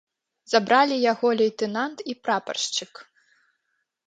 Забралі яго лейтэнант і прапаршчык.